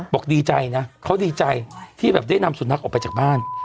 บอกดีใจนะเขาดีใจที่แบบได้นำสุนัขออกไปจากบ้าน